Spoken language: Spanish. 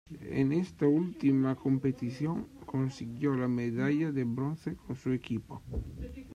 En esta última competición consiguió la medalla de bronce con su equipo.